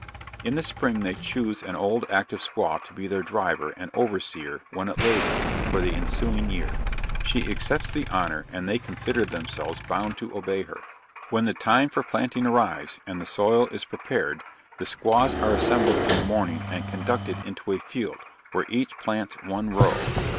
In the spring they choose an old active squaw to be their driver and overseer when at labor, for the ensuing year. She accepts the honor, and they consider themselves bound to obey her. When the time for planting arrives, and the soil is prepared, the squaws are assembled in the morning, and conducted into a field, where each plants one row.